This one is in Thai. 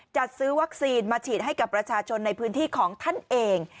จัดซื้อวัคซีนมาฉีดให้กับประชาชนในพื้นที่ของท่านเอง